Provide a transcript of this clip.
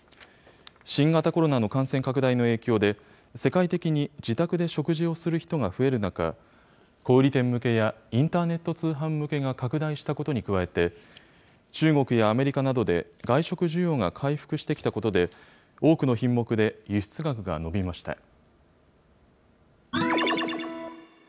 新型コロナの感染拡大の影響で、世界的に自宅で食事をする人が増える中、小売り店向けや、インターネット通販向けが拡大したことに加えて、中国やアメリカなどで外食需要が回復してきたことで、多くの品目で輸出額が伸びました。